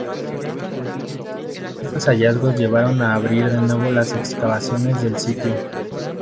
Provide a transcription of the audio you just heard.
Estos hallazgos llevaron a abrir de nuevo las excavaciones del sitio.